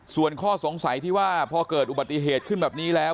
ส่วนข้อสงสัยที่ว่าพอเกิดอุบัติเหตุขึ้นแบบนี้แล้ว